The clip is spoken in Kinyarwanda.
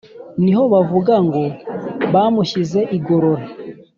niho bavuga ngo: «bamushyize igorora!»